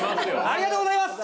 ありがとうございます！